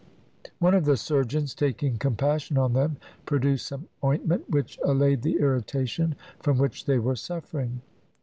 One of the surgeons, taking compassion on them, produced some ointment, which allayed the irritation from which they were suffering.